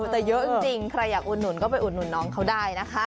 แต่เยอะจริงใครอยากอุดหนุนก็ไปอุดหนุนน้องเขาได้นะคะ